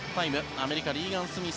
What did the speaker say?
アメリカ、リーガン・スミス